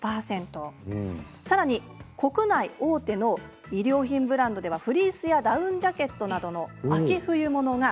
さらに国内大手の衣料品ブランドではフリースやダウンジャケットなどの秋冬物か。